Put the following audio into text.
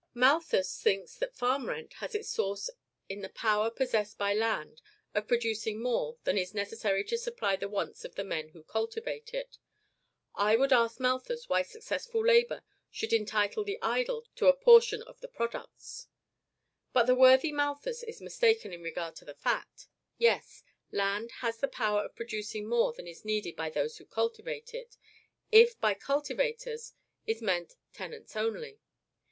Malthus thinks that farm rent has its source in the power possessed by land of producing more than is necessary to supply the wants of the men who cultivate it. I would ask Malthus why successful labor should entitle the idle to a portion of the products? But the worthy Malthus is mistaken in regard to the fact. Yes; land has the power of producing more than is needed by those who cultivate it, if by CULTIVATORS is meant tenants only.